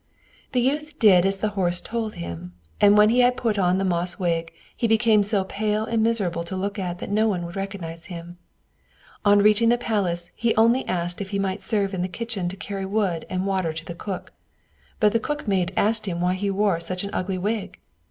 The youth did as the horse told him; and when he put on the moss wig he became so pale and miserable to look at that no one would have recognized him. On reaching the palace, he only asked if he might serve in the kitchen to carry wood and water to the cook; but the cook maid asked him why he wore such an ugly wig?